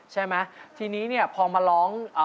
ใช่ไหมทีนี้เนี่ยพอมาร้อง